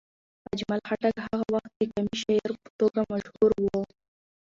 اجمل خټک هغه وخت د قامي شاعر په توګه مشهور و.